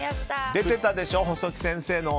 出てたでしょ、細木先生の。